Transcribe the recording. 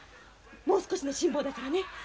もう少しの辛抱だからね。